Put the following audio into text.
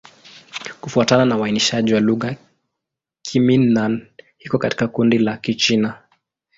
Kufuatana na uainishaji wa lugha, Kimin-Nan iko katika kundi la Kichina.